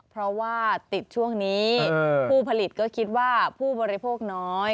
เพราะว่าติดช่วงนี้ผู้ผลิตก็คิดว่าผู้บริโภคน้อย